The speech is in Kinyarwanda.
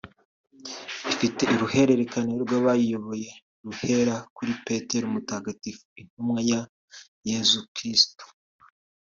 ifite uruhererekane rw’abayiyoboye ruhera kuri Petero Mutagatifu intumwa ya Yezu Kirisitu